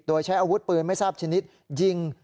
โดยใช้อาวุธปืนไม่ทราบชนิดยิง